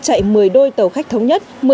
chạy một mươi đôi tàu khách thống nhất